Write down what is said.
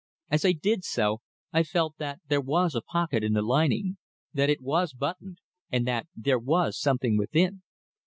As I did so, I felt that there was a pocket in the lining, that it was buttoned, and that there was something within.